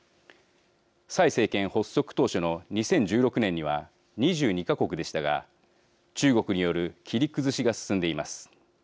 蔡政権発足当初の２０１６年には２２か国でしたが、中国による切り崩しが進んでいます。